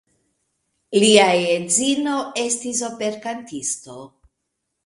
Lia edzino estis operkantisto.